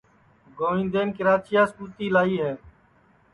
گوندین کراچیاس کُتی لائی ہے